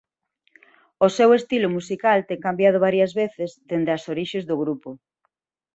O seu estilo musical ten cambiado varias veces dende os orixes do grupo.